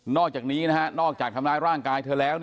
อกจากนี้นอกจากทำร้ายร่างกายเธอแล้ว